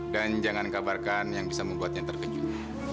dan jangan kabarkan yang bisa membuatnya terkejut